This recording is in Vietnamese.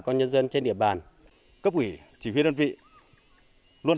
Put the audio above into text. chương trình nâng bước em tới trường